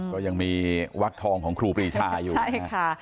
ก็ยังมีวักทองของครูปรีชาอยู่นะคะ